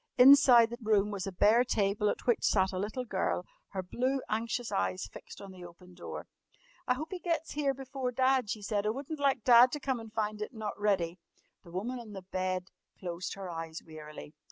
Inside the room was a bare table at which sat a little girl, her blue, anxious eyes fixed on the open door. "I hope he gets here before Dad," she said. "I wouldn't like Dad to come and find it not ready!" The woman on the bed closed her eyes wearily.